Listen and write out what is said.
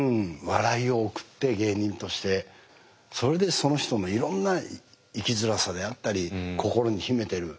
笑いを送って芸人としてそれでその人のいろんな生きづらさであったり心に秘めている。